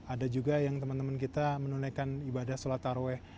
ada juga yang teman teman kita menunaikan ibadah sholat tarweh